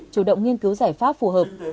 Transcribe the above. chủ động nghiên cứu giải pháp phù hợp